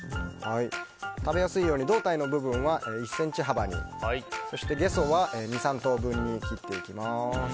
食べやすいように胴体の部分は１ｃｍ幅にそして、ゲソは２３等分に切っていきます。